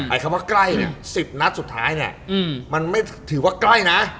คำว่าใกล้เนี่ย๑๐นัดสุดท้ายเนี่ยมันไม่ถือว่าใกล้นะ